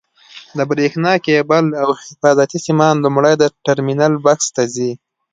د برېښنا کېبل او حفاظتي سیمان لومړی د ټرمینل بکس ته ځي.